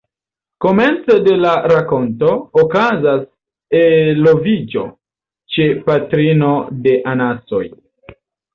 Komence de la rakonto, okazas eloviĝo ĉe patrino de anasoj.